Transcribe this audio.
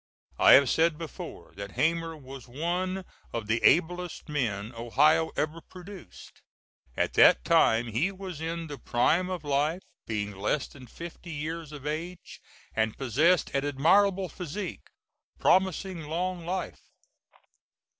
I have said before that Hamer was one of the ablest men Ohio ever produced. At that time he was in the prime of life, being less than fifty years of age, and possessed an admirable physique, promising long life.